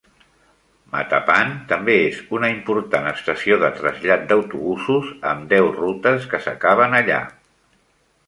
Mattapan també és una important estació de trasllat d'autobusos, amb deu rutes que s'acaben allà.